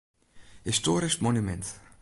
Histoarysk monumint.